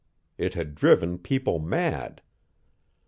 It had driven people mad.